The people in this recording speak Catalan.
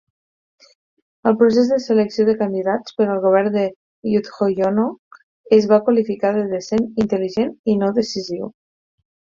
El procés de selecció de candidats per al govern de Yudhoyono es va qualificar de "decent, intel·ligent i no decisiu".